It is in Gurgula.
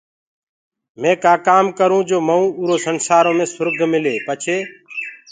مي ڪآ ڪآم ڪروٚنٚ جو مئوٚنٚ اُرو سنسآرو مي سُرگ ملي پڇي